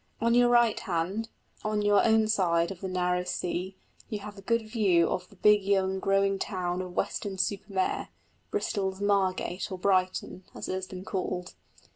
On your right hand, on your own side of the narrow sea, you have a good view of the big young growing town of Weston super Mare Bristol's Margate or Brighton, as it has been called.